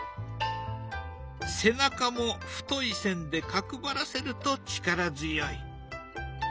背中も太い線で角ばらせると力強い。